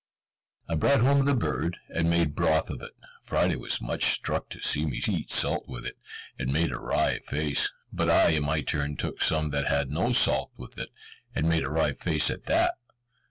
I brought home the bird, and made broth of it. Friday was much struck to see me eat salt with it, and made a wry face; but I, in my turn, took some that had no salt with it, and I made a wry face at that.